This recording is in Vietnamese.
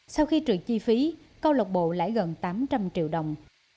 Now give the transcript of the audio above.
sau khi trừ chi phí câu lọc bộ lãi gần tám trăm linh triệu đồng